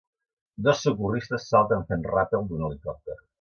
Dos socorristes salten fent ràpel d'un helicòpter.